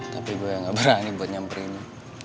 tapi gue gak berani buat nyamperinnya